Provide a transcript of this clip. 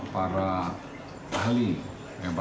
bersama dengan gakumdu